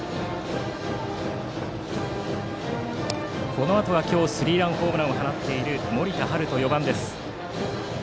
このあとは今日スリーランホームランを放っている４番の森田大翔です。